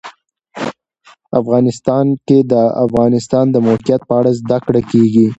افغانستان کې د د افغانستان د موقعیت په اړه زده کړه کېږي.